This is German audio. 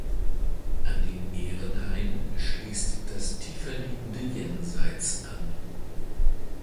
An den Ehrenhain schließt das tieferliegende Jenseits an.